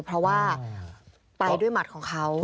เพราะว่าไปด้วยหมัดของเขา